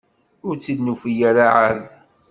Ur tt-id-nufi ara ɛad.